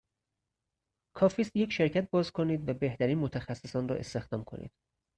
کافی است یک شرکت باز کنید و بهترین متخصصان را استخدام کنید.